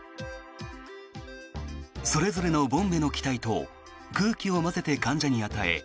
それぞれのボンベの気体と空気を混ぜて患者に与え